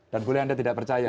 dan boleh anda tidak percaya